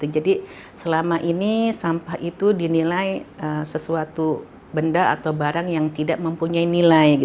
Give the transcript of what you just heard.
jadi selama ini sampah itu dinilai sesuatu benda atau barang yang tidak mempunyai nilai